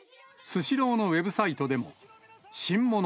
スシローのウェブサイトでも、新物！